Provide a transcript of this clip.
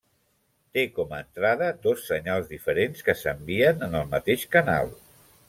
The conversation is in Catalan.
Té com a entrada dos senyals diferents que s'envien en el mateix canal.